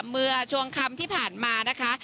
เมื่อช่วงคำที่ผ่านมานะคะ